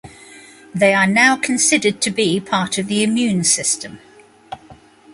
They are now considered to be part of the immune system.